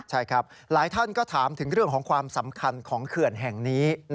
ใช่ครับหลายท่านก็ถามถึงเรื่องของความสำคัญของเขื่อนแห่งนี้